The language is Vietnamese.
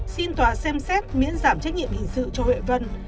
xin tòa xem xét miễn giảm trách nhiệm hình sự cho huệ vân